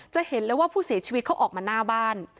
จะเห็นเลยว่าผู้เสียชีวิตเขาออกมาหน้าบ้าน